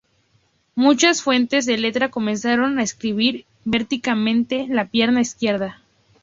Muchas fuentes de letra comenzaron entonces a escribir verticalmente la pierna izquierda.